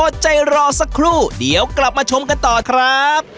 อดใจรอสักครู่เดี๋ยวกลับมาชมกันต่อครับ